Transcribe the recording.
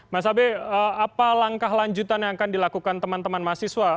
mas abe apa langkah lanjutan yang akan dilakukan teman teman mahasiswa